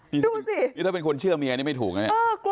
นี่ถ้าเป็นคนเชื่อเมียนี่ไม่ถูก